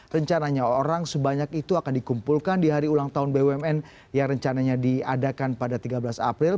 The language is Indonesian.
rencananya orang sebanyak itu akan dikumpulkan di hari ulang tahun bumn yang rencananya diadakan pada tiga belas april